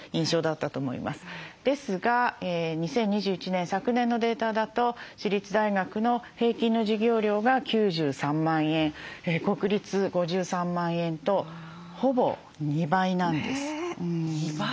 ですが２０２１年昨年のデータだと私立大学の平均の授業料が９３万円国立５３万円とほぼ２倍なんです。